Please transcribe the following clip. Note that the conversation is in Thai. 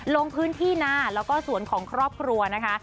ลงพื้นที่นาแล้วก็สวนของครอบครัวนะคะ